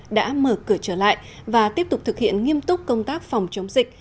đã mở cửa trở lại và tiếp tục thực hiện nghiêm túc công tác phòng chống dịch